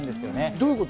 どういうこと？